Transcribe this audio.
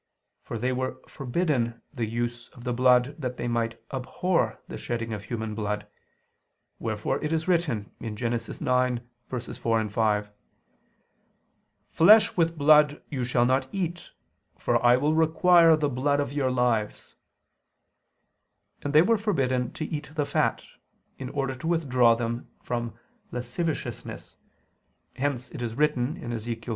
For they were forbidden the use of the blood that they might abhor the shedding of human blood; wherefore it is written (Gen. 9:4, 5): "Flesh with blood you shall not eat: for I will require the blood of your lives": and they were forbidden to eat the fat, in order to withdraw them from lasciviousness; hence it is written (Ezech.